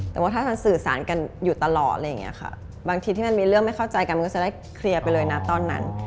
แต่ว่าถ้ามันสื่อสารกันอยู่ตลอดอะไรอย่างนี้ค่ะบางทีที่มันมีเรื่องไม่เข้าใจกันมันก็จะได้เคลียร์ไปเลยนะตอนนั้น